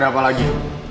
ada apa lagi